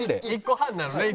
１個半なのね？